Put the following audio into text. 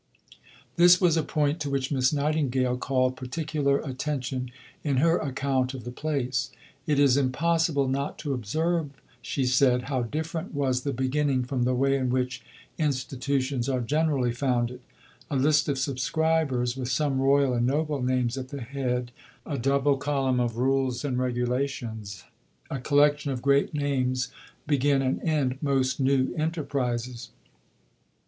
This was a point to which Miss Nightingale called particular attention in her account of the place. "It is impossible not to observe," she said, "how different was the beginning from the way in which institutions are generally founded a list of subscribers with some royal and noble names at the head a double column of rules and regulations a collection of great names begin (and end) most new enterprises.